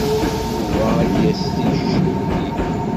Yuba ad d-yas ticki.